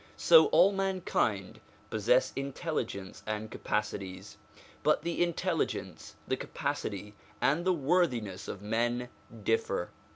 So all mankind possess intelligence and capacities, but the intelligence, the capacity, and the worthiness of men differ.